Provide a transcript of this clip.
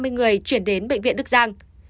ba trăm năm mươi người chuyển đến bệnh viện đức giang